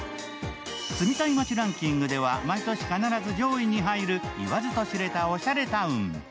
住みたい街ランキングでは毎年必ず上位に入る、言わずと知れたおしゃれタウン。